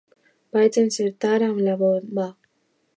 Vaig encertar amb la bomba